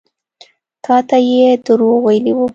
تا ته يې دروغ ويلي وو.